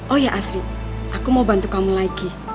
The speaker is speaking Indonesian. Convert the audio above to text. oh ya asri aku mau bantu kamu lagi